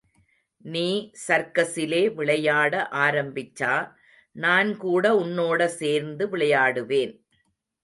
நீ சர்க்கஸிலே விளையாட ஆரம்பிச்சா நான்கூட உன்னோட சேர்ந்து விளையாடுவேன்.